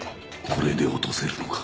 これで落とせるのか。